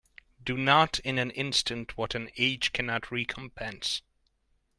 Do not in an instant what an age cannot recompense.